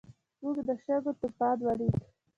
موږ د شګو طوفان ولید.